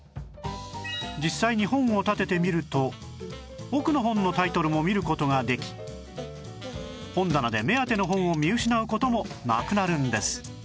実際に本を立ててみると奥の本のタイトルも見る事もでき本棚で目当ての本を見失う事もなくなるんです